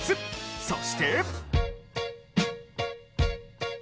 そして。